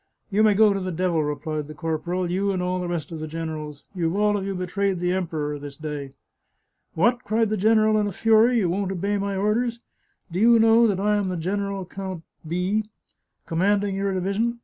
" You may go to the devil," replied the corporal ;" you and all the rest of the generals. You've all of you betrayed the Emperor this day." " What !" cried the general in a fury ;" you won't obey my orders ? Do you know that I am General Count B , commanding your division